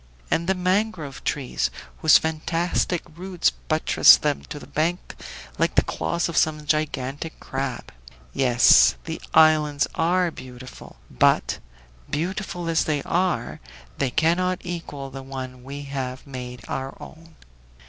And the mangrove trees, whose fantastic roots buttress them to the bank like the claws of some gigantic crab! Yes, the islands are beautiful, but, beautiful as they are, they cannot equal the one we have made our own!"